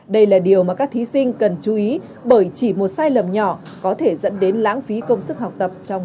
đây là điều mà các thí sinh cần chú ý bởi chỉ một sai lầm nhỏ có thể dẫn đến lãng phí công sức học tập trong một mươi hai năm